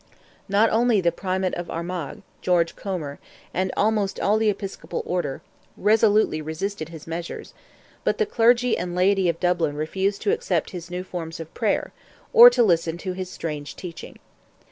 Not only the Primate of Armagh, George Cromer, and almost all the episcopal order, resolutely resisted his measures, but the clergy and laity of Dublin refused to accept his new forms of prayer, or to listen to his strange teaching.